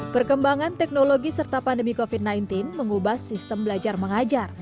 perkembangan teknologi serta pandemi covid sembilan belas mengubah sistem belajar mengajar